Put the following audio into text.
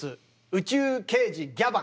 「宇宙刑事ギャバン」。